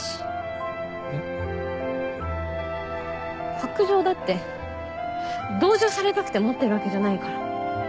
白杖だって同情されたくて持ってるわけじゃないから。